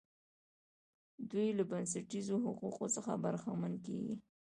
دوی له بنسټیزو حقوقو څخه برخمن کیږي.